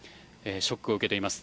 ショックを受けています。